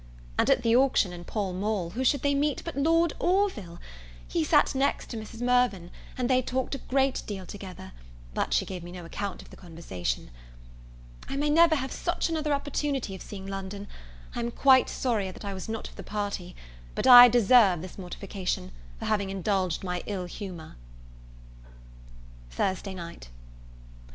And, at the auction in Pall mall, who should they meet but Lord Orville. He sat next to Mrs. Mirvan, and they talked a great deal together; but she gave me no account of the conversation. I may never have such another opportunity of seeing London; I am quite sorry that I was not of the party; but I deserve this mortification, for having indulged my ill humour. Thursday Night.